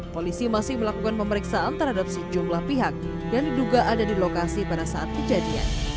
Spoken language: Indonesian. polisi masih melakukan pemeriksaan terhadap sejumlah pihak yang diduga ada di lokasi pada saat kejadian